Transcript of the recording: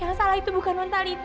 yang salah itu bukan nontali